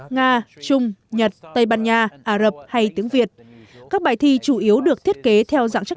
nga trung nhật tây ban nha ả rập hay tiếng việt các bài thi chủ yếu được thiết kế theo dạng chức